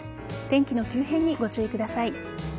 天気の急変にご注意ください。